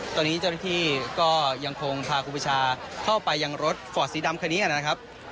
ตอนนี้เจ้าหน้าที่ก็ยังคงพาครูปีชาเข้าไปยังรถฟอร์ดสีดำคันนี้นะครับ